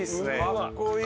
かっこいい！